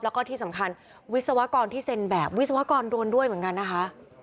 แล้วก็ที่สำคัญวิศวกรที่เซ็นแบบวิศวกรโดนด้วยเหมือนกันนะคะ